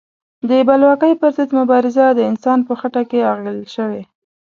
د بلواکۍ پر ضد مبارزه د انسان په خټه کې اغږل شوې.